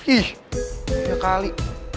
ih banyak kali